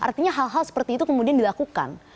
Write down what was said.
artinya hal hal seperti itu kemudian dilakukan